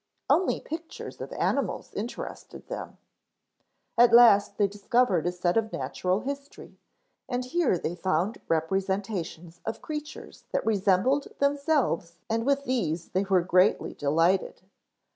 Only pictures of animals interested them. At last they discovered a set of Natural History and here they found representations of creatures that resembled themselves and with these they were greatly delighted.